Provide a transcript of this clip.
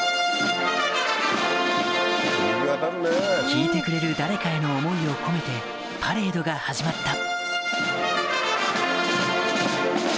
聴いてくれる誰かへの思いを込めてパレードが始まった